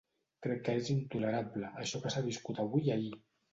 Crec que és intolerable, això que s’ha viscut avui i ahir.